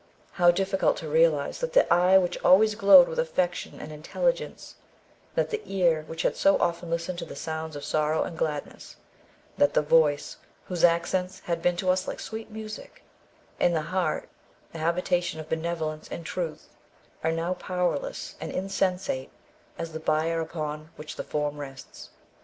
How difficult to realise that the eye which always glowed with affection and intelligence; that the ear which had so often listened to the sounds of sorrow and gladness; that the voice whose accents had been to us like sweet music, and the heart, the habitation of benevolence and truth, are now powerless and insensate as the bier upon which the form rests.